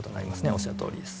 おっしゃるとおりです。